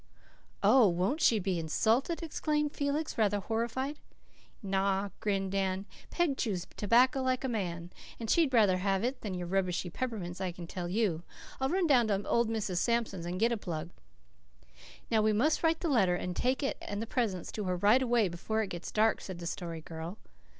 "Oh, won't she be insulted?" exclaimed Felix, rather horrified. "Naw," grinned Dan. "Peg chews tobacco like a man. She'd rather have it than your rubbishy peppermints, I can tell you. I'll run down to old Mrs. Sampson's and get a plug." "Now, we must write the letter and take it and the presents to her right away, before it gets dark," said the Story Girl.